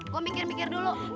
gua mikir mikir dulu